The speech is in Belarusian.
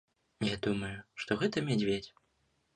Я думаю, што гэта мядзведзь.